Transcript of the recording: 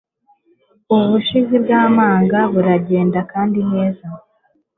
Ubushizi bwamanga baragenda kandi neza